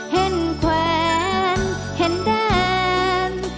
เห็นแขวนเห็นแดง